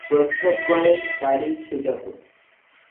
প্রচ্ছদ করেন তারিক সুজাত।